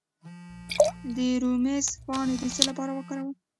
د روزمیری پاڼې د څه لپاره وکاروم؟